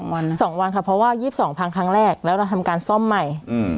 วันสองวันค่ะเพราะว่า๒๒พังครั้งแรกแล้วเราทำการซ่อมใหม่